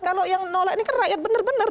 kalau yang nolak ini kan rakyat bener bener